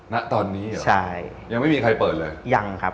ณตอนนี้เหรอใช่ยังไม่มีใครเปิดเลยยังครับ